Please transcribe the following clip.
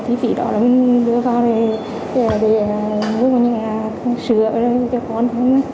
thì vì đó mình đưa vào để sửa cho con